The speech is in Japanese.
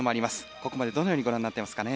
ここまでどのようにご覧になっていますか？